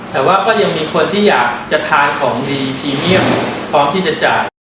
แต่ว่าก็ยังมีคนที่อยากจะทานของดีพรีเมียมพร้อมที่จะจ่าย